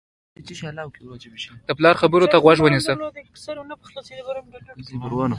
د پلار خبرو ته غوږ نیسي.